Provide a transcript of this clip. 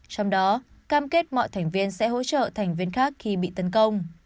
trong đó cam kết mọi thành viên sẽ hỗ trợ thành viên khác khi bị tấn công